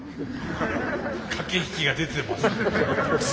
駆け引きが出てますね。